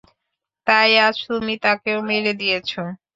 তাই আজ তুমি তাকেও মেরে দিয়েছ।